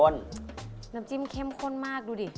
น้ำจิ้มเข้มข้นมากดูดิ